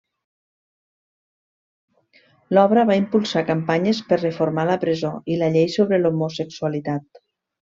L'obra va impulsar campanyes per reformar la presó i la llei sobre l'homosexualitat.